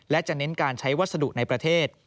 และจะเน้นการใช้วัสดุในประเทศ